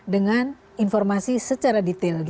dengan informasi secara detail